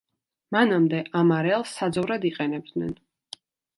მანამდე, ამ არეალს საძოვრად იყენებდნენ.